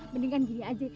mendingan gini aja